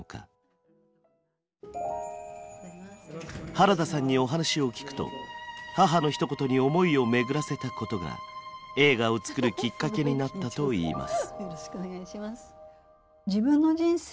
原田さんにお話を聞くと母のひと言に思いを巡らせたことが映画を作るきっかけになったといいます。